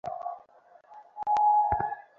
ভদ্রমহিলা Saint Paul স্কুলের game teacher.